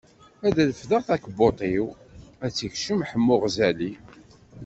Ad refdeɣ akebbuṭ-iw, ad tt-ikcem Ḥemmu Ɣzali.